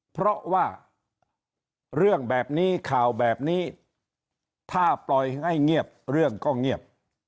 เพราะว่าเรื่องแบบนี้ข่าวแบบนี้ถ้าปล่อยให้เงียบเรื่องก็เงียบ